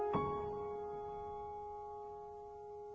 ครับ